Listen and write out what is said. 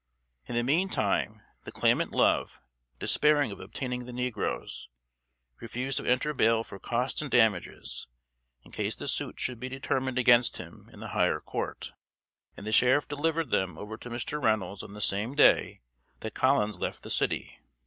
In the meantime, the claimant Love, despairing of obtaining the negroes, refused to enter bail for costs and damages, in case the suit should be determined against him in the higher court, and the sheriff delivered them over to Mr. Reynolds on the same day that Collins left the city.